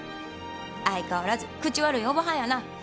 相変わらず口悪いおばはんやな。